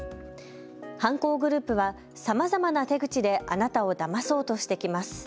犯行グループはさまざまな手口であなたをだまそうとしてきます。